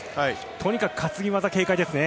とにかく担ぎ技、警戒ですね。